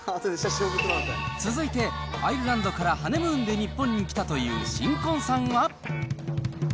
続いて、アイルランドからハネムーンで日本に来たという新婚さんは。